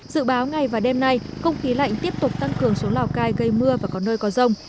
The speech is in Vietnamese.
dự báo ngày và đêm nay không khí lạnh tiếp tục tăng cường xuống lào cai gây mưa và có nơi có rông